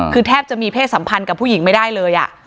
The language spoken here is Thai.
คือแทบจะมีเพศสัมพันธ์กับผู้หญิงไม่ได้เลย